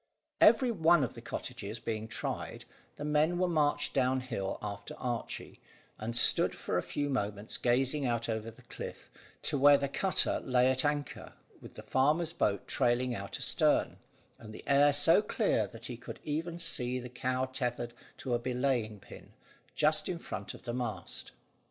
Every one of the cottages being tried, the men were marched down hill after Archy, and stood for a few moments gazing out over the cliff, to where the cutter lay at anchor, with the farmer's boat trailing out astern, and the air so clear that he could even see the cow tethered to a belaying pin, just in front of the mast.